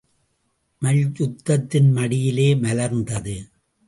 மல்யுத்தத்தின் மடியிலே மலர்ந்தது!